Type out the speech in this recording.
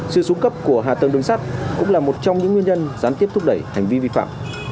sự xuống cấp của hạ tầng đường sắt cũng là một trong những nguyên nhân gián tiếp thúc đẩy hành vi vi phạm